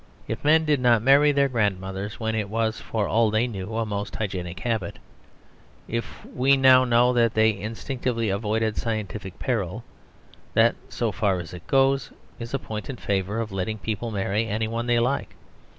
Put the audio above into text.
If men did not marry their grandmothers when it was, for all they knew, a most hygienic habit; if we know now that they instinctly avoided scientific peril; that, so far as it goes, is a point in favour of letting people marry anyone they like.